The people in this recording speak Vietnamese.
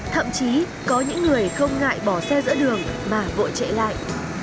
thậm chí có những người không ngại bỏ xe giữa đường mà vội chạy lại